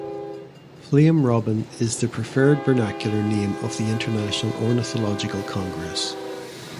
"Flame Robin" is the preferred vernacular name of the International Ornithological Congress.